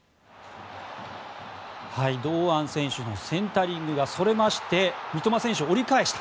堂安選手のセンタリングがそれまして三笘選手、折り返した。